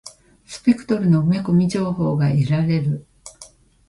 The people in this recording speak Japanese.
スペクトルの埋め込み情報が得られる。